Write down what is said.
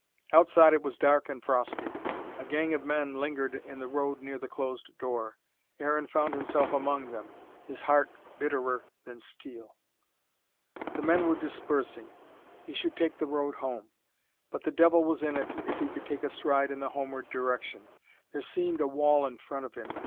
Outside it was dark and frosty. A gang of men lingered in the road near the closed door. Aaron found himself among them, his heart bitterer than steel. The men were dispersing. He should take the road home. But the devil was in it, if he could take a stride in the homeward direction. There seemed a wall in front of him.